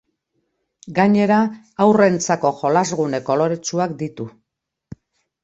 Gainera, haurrentzako jolas gune koloretsuak ditu.